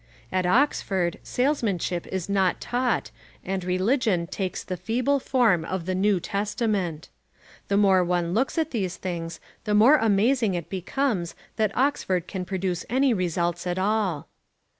At Oxford Salesmanship is not taught and Religion takes the feeble form of the New Testament. The more one looks at these things the more amazing it becomes that Oxford can produce any results at all.